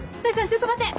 ちょっと待って！